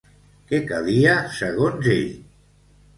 Què calia, segons ell?